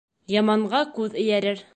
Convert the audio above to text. Яманға күҙ эйәрер.